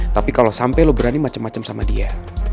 tapi kalo sampe lo berani macem macem sama dia